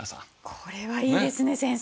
これはいいですね先生！